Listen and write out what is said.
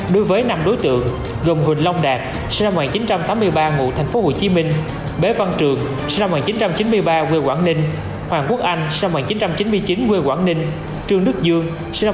đối với năm đối tượng gồm huỳnh long đạt bế văn trường hoàng quốc anh trương đức dương